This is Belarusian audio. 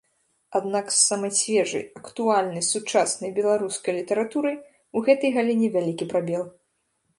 Аднак з самай свежай актуальнай сучаснай беларускай літаратурай у гэтай галіне вялікі прабел.